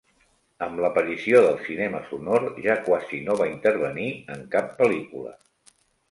Amb l'aparició del cinema sonor ja quasi no va intervenir en cap pel·lícula.